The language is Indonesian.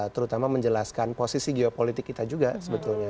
terutama menjelaskan posisi geopolitik kita juga sebetulnya